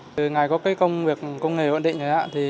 từ ngày có công việc công nghệ ổn định rồi